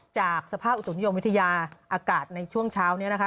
จากสภาพอุตุนิยมวิทยาอากาศในช่วงเช้านี้นะคะ